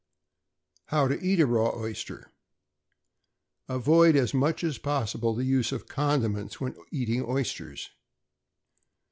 =How to eat a Raw Oyster.= Avoid as much as possible the use of condiments, when eating oysters.